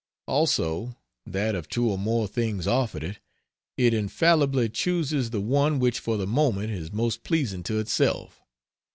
Also, that of two or more things offered it, it infallibly chooses the one which for the moment is most pleasing to ITSELF.